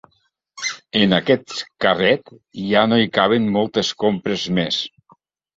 En aquest carret ja no hi caben moltes compres més.